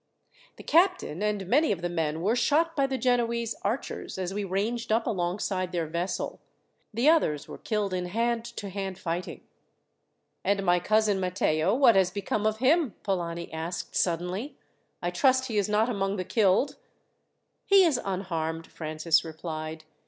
"The captain, and many of the men, were shot by the Genoese archers as we ranged up alongside their vessel. The others were killed in hand to hand fighting." "And my cousin Matteo, what has become of him?" Polani asked suddenly. "I trust he is not among the killed!" "He is unharmed," Francis replied.